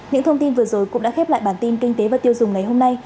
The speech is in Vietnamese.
những thông tin vừa rồi cũng đã khép lại bản tin kinh tế và tiêu dùng ngày hôm nay